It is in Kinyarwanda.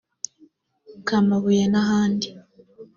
Kamabuye n’ahandi